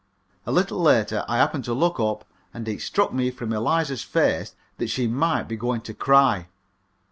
A little later I happened to look up, and it struck me from Eliza's face that she might be going to cry.